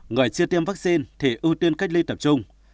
người chưa tiêm vaccine thì ưu tiên cách ly tập trung